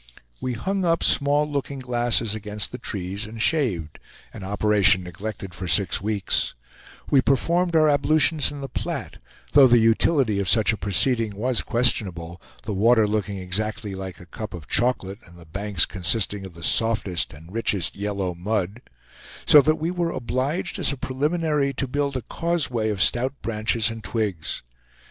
We hung up small looking glasses against the trees and shaved, an operation neglected for six weeks; we performed our ablutions in the Platte, though the utility of such a proceeding was questionable, the water looking exactly like a cup of chocolate, and the banks consisting of the softest and richest yellow mud, so that we were obliged, as a preliminary, to build a cause way of stout branches and twigs.